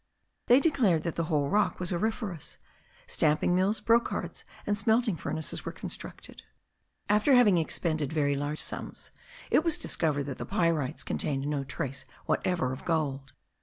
They declared that the whole rock was auriferous; stamping mills, brocards, and smelting furnaces were constructed. After having expended very large sums, it was discovered that the pyrites contained no trace whatever of gold.